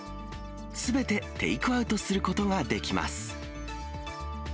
すべてテイクアウトすることができます。